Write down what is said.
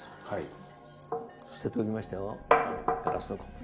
はい。